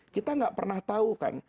kita gak pernah tahu kan